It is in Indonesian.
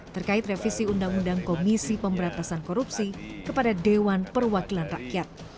terkait revisi undang undang komisi pemberantasan korupsi kepada dewan perwakilan rakyat